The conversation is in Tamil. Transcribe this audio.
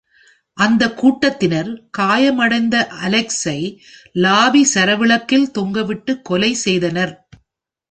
அந்த கூட்டத்தினர் காயமடைந்த அலெக்ஸை லாபி சரவிளக்கில் தொங்கவிட்டு கொலை செய்தனர்.